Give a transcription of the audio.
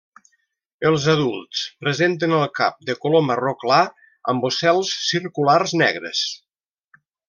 Els adults presenten el cap de color marró clar amb ocels circulars negres.